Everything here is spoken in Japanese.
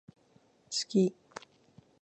好き